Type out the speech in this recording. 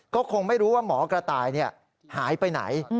ก็คงไม่รู้ว่าหมอกระต่ายหายไปไหน